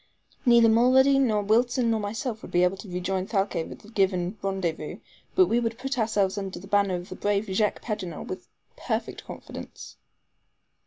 Neither Mulrady, nor Wilson, nor myself would be able to rejoin Thalcave at the given rendezvous, but we will put ourselves under the banner of the brave Jacques Paganel with perfect confidence."